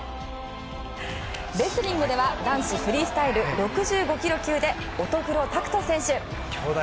レスリングでは男子フリースタイル６５ｋｇ級で乙黒拓斗選手。